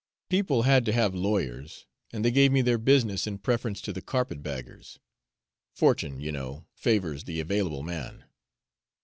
People had to have lawyers, and they gave me their business in preference to the carpet baggers. Fortune, you know, favors the available man."